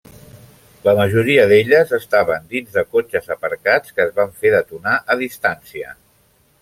La majoria d'elles estaven dins de cotxes aparcats que es van fer detonar a distància.